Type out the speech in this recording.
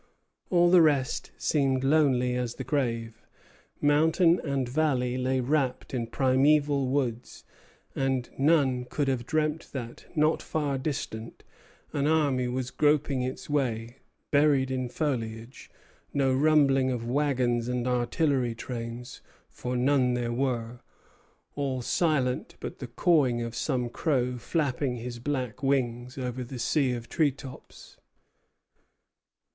All the rest seemed lonely as the grave; mountain and valley lay wrapped in primeval woods, and none could have dreamed that, not far distant, an army was groping its way, buried in foliage; no rumbling of wagons and artillery trains, for none were there; all silent but the cawing of some crow flapping his black wings over the sea of tree tops.